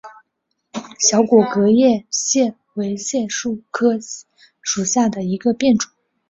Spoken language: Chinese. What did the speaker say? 小果革叶槭为槭树科槭属下的一个变种。